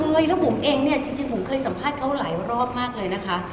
แล้วบุ๋มเองเนี่ยจริงบุ๋มเคยสัมภาษณ์เขาหลายรอบมากเลยนะคะ